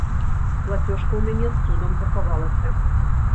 Плацёжка ў мяне цудам захавалася.